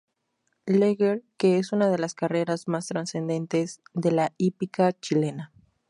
Leger, que es una de las carreras más trascendentes de la hípica chilena.